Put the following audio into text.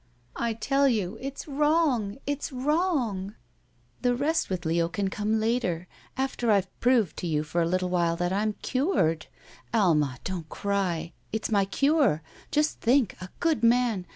'"> "I tell you it's wrong. It's wrong!" "The rest with Leo can come later, after I've proved to you for a little while that I'm cured. Alma, don't cry! It's my cure. Just think, a good man!